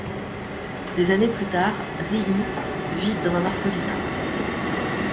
Des années plus tard, Ryu vit dans un orphelinat.